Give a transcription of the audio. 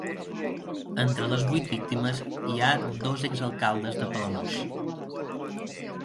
Entre les vuit víctimes hi ha dos exalcaldes de Palamós.